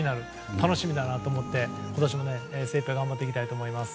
楽しみだなと思って今年も精いっぱい頑張っていきたいと思います。